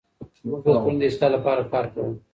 موږ به د ټولنې د اصلاح لپاره کار کوو.